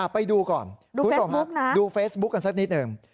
ไปดูก่อนดูเฟสบุ๊คนะดูเฟสบุ๊คกันสักนิดนึง